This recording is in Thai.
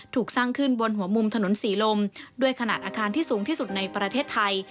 ถูกสร้างขึ้นบนหัวมุมถนนศรีลมด้วยขนาดอาคารที่สูงที่สุดในประเทศไทย